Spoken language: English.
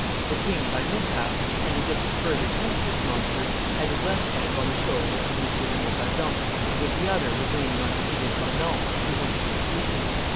The king, by mishap, and as if to further tempt this monster, had his left hand on the shoulder of M. de Montbazon, and with the other was leaning on M. d'Epernon, to whom he was speaking.